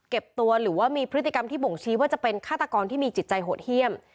ตัวหรือว่ามีพฤติกรรมที่บ่งชี้ว่าจะเป็นฆาตกรที่มีจิตใจโหดเยี่ยม